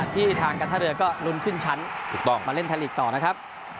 ที่ทางการท่าเรือก็ลุ้นขึ้นชั้นถูกต้องมาเล่นไทยลีกต่อนะครับ